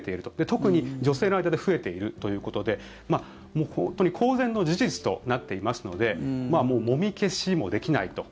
特に女性の間で増えているということで本当に公然の事実となっていますのでもみ消しもできないと。